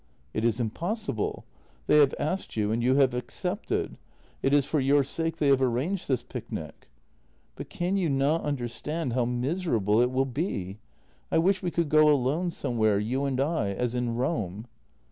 " It is impossible. They have asked you and you have accepted. It is for your sake they have arranged this picnic." " But can you not understand how miserable it will be? I wish we could go alone somewhere, you and I, as in Rome."